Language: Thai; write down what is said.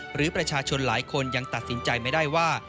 หรือประชาชนหลายคนยังตัดสินใจไม่ได้ว่า